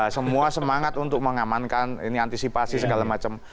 semua semangat untuk mengamankan ini antisipasi segala macam